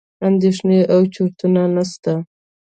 اندېښنې او چورتونه نسته.